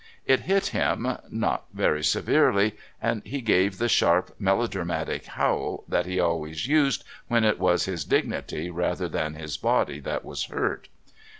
It hit him (not very severely), and he gave the sharp, melodramatic howl that he always used when it was his dignity rather than his body that was hurt.